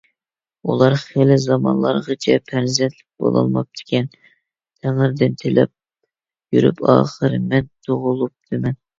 ئۇلار خېلى زامانلارغىچە پەرزەنتلىك بولالماپتىكەن، تەڭرىدىن تىلەپ يۈرۈپ ئاخىر مەن تۇغۇلۇپتىمەن.